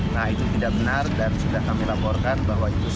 nah itu tidak benar dan sudah kami laporkan bahwa itu sudah